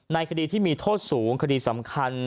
ในคดีที่มีโทษสูงคดีสำคัญ